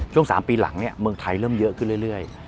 ช่วง๓ปีหลังเมืองไทยเริ่มเยอะขึ้นเรื่อย